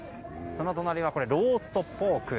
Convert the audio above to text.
その隣はローストポーク。